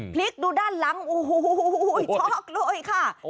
พลิกดูด้านหลังโอ้โหช็อกเลยค่ะ